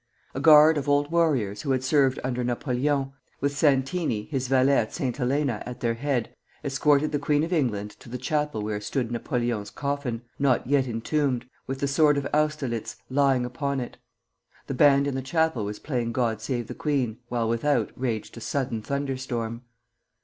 A guard of old warriors who had served under Napoleon, with Santini, his valet at St. Helena, at their head, escorted the queen of England to the chapel where stood Napoleon's coffin, not yet entombed, with the sword of Austerlitz lying upon it. The band in the chapel was playing "God Save the Queen," while without raged a sudden thunder storm.